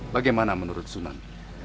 bagaimana menurut sunan